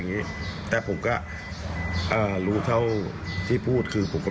งี้แต่ผมก็เอ่อรู้เท่าที่พูดคือผมก็